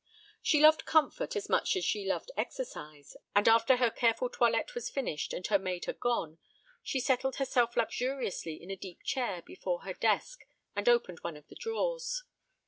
She loved comfort as much as she loved exercise, and after her careful toilette was finished and her maid had gone, she settled herself luxuriously in a deep chair before her desk and opened one of the drawers.